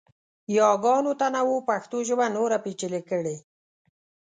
یاګانو تنوع پښتو ژبه نوره پیچلې کړې.